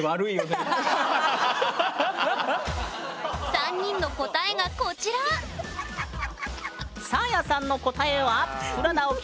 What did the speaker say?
３人の答えがこちらサーヤさんの答えは。